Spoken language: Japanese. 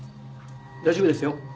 大丈夫ですよ。